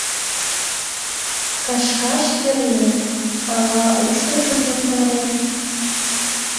Кашкаш пернен, ала ушыжым йомдарен.